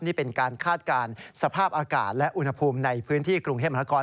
นี่เป็นการคาดการณ์สภาพอากาศและอุณหภูมิในพื้นที่กรุงเทพมหานคร